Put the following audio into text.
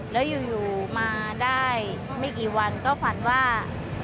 แล้วอยู่มาได้ไม่กี่วันก็ฝันว่า